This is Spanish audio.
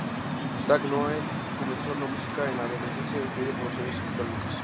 Sak Noel comenzó en la música en la adolescencia, influido por los sonidos electrónicos.